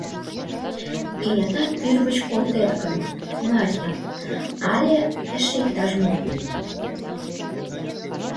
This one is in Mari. — Кенета тӱрвыч колтет гын, Марья, але эше иктаж-мо...